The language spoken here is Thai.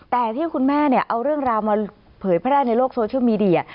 แต่ที่คุณแม่เอาเรื่องราวมาเผยแพร่ในโลกโซเชียลมีเดีย